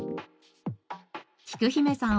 きく姫さん